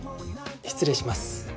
失礼します。